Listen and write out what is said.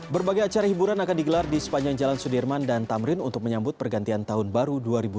berbagai acara hiburan akan digelar di sepanjang jalan sudirman dan tamrin untuk menyambut pergantian tahun baru dua ribu dua puluh